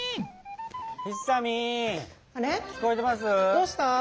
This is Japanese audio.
どうした？